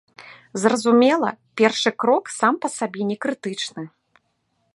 Зразумела, першы крок сам па сабе некрытычны.